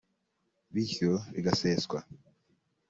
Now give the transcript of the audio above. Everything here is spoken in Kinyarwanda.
bityo rigaseswa